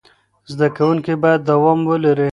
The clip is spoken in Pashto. زده کوونکي باید دوام ولري.